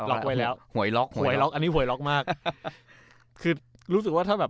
ไว้แล้วหวยล็อกหวยล็อกอันนี้หวยล็อกมากคือรู้สึกว่าถ้าแบบ